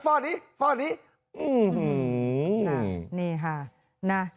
ฟ่อนนี้ฟ่อนนี้นี่ค่ะ